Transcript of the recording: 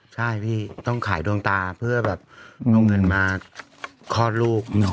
ใช่พี่ต้องขายดวงตาเพื่อแบบเอาเงินมาคลอดลูก